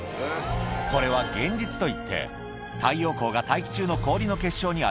これは幻日といって太陽光が大気中の氷の結晶に当たり